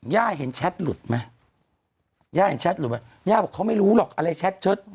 ย่าเห็นแชทหลุดไหมย่าเห็นแชทหลุดไหมย่าบอกเขาไม่รู้หรอกอะไรแชทเชิด